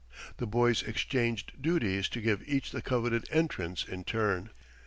The boys exchanged duties to give each the coveted entrance in turn.